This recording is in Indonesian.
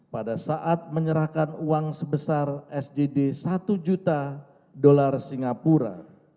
pada saat menyerahkan uang sebesar sgd satu juta dolar singapura